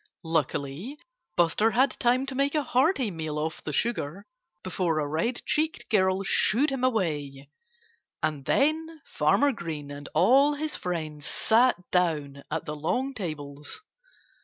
Luckily Buster had time to make a hearty meal off the sugar before a red cheeked girl shooed him away. And then Farmer Green and all his friends sat down at the long tables.